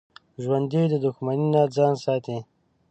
ژوندي د دښمنۍ نه ځان ساتي